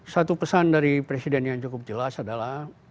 satu pesan dari presiden yang cukup jelas adalah